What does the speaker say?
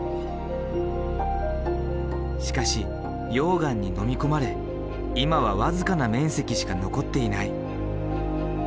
しかし溶岩にのみ込まれ今は僅かな面積しか残っていない。